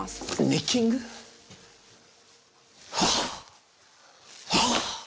ネッキング？はあ！はあ！